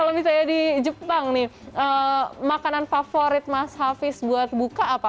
kalau misalnya di jepang nih makanan favorit mas hafiz buat buka apa